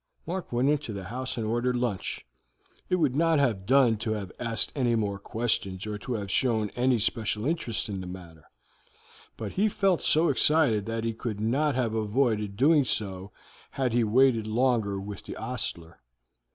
Mark went into the house and ordered lunch. It would not have done to have asked any more questions or to have shown any special interest in the matter, but he felt so excited that he could not have avoided doing so had he waited longer with the ostler.